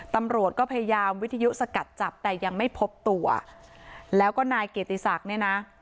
ตำรวจก็พยายามวิทยุสกัดจับแต่ยังไม่พบตัวแล้วก็นายเกียรติศักดิ์เนี่ยนะ